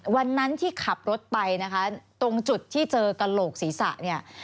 วันนั้นที่ขับรถไปนะคะตรงจุดที่เจอกระโหลกศีรษะเนี่ย